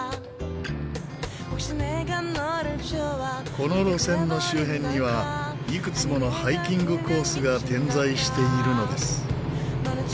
この路線の周辺にはいくつものハイキングコースが点在しているのです。